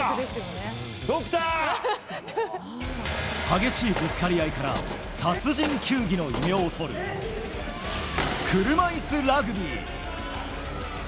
激しいぶつかり合いから殺人球技の異名をとる車いすラグビー。